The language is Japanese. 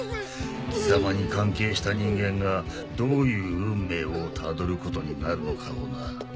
貴様に関係した人間がどういう運命をたどることになるのかをな。